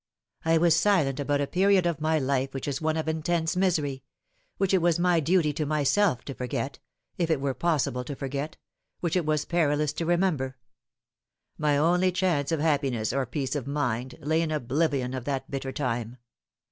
I was silent about a period of my life which was one of intense misery which it was my duty to myself to forget, if it were possible to forget which it was perilous to remember. My only chance of happi ness or peace of mind lay in oblivion of that bitter time.